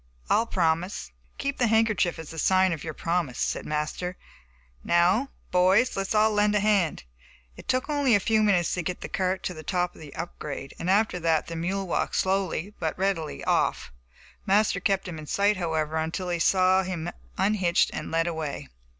I'll promise." "Keep the handkerchief as a sign of your promise," said Master; "now, boys, let's all lend a hand." It only took a few minutes to get the cart to the top of the up grade, and after that the mule walked slowly but readily off. Master kept him in sight, however, until he saw him unhitched and led away.